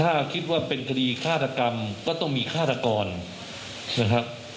ถ้าคิดว่าเป็นคดีฆาตกรรมก็ต้องมีฆาตกรนะครับ